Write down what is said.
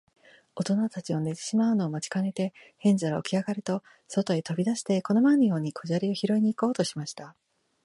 おとなたちの寝てしまうのを待ちかねて、ヘンゼルはおきあがると、そとへとび出して、この前のように小砂利をひろいに行こうとしました。